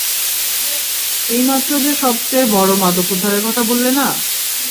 এই মাত্র যে সবচেয়ে বড়ো মাদক উদ্ধারের কথা বললে না?